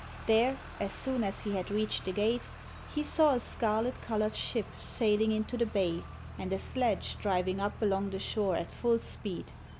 There, as soon as he had reached the gate, he saw a scarlet coloured ship sailing into the bay, and a sledge driving up along the shore at full speed.